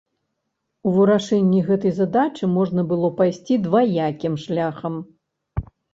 У вырашэнні гэтай задачы можна было пайсці дваякім шляхам.